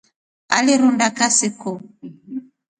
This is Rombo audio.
Alirunda kasi ku?